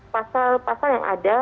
pasal pasal yang ada